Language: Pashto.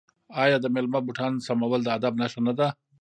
آیا د میلمه بوټان سمول د ادب نښه نه ده؟